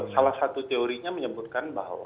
salah satu teorinya menyebutkan bahwa